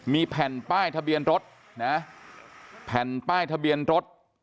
มีแผ่นป้ายทะเบียนรถนะแผ่นป้ายทะเบียนรถ